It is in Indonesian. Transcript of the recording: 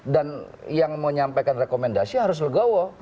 dan yang menyampaikan rekomendasi harus legowo